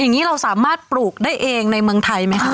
อย่างนี้เราสามารถปลูกได้เองในเมืองไทยไหมคะ